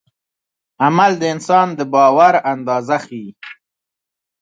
عمل د انسان د باور اندازه ښيي.